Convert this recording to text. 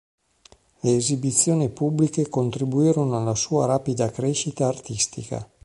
Le esibizioni pubbliche contribuirono alla sua rapida crescita artistica.